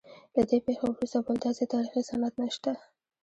له دې پیښې وروسته بل داسې تاریخي سند نشته.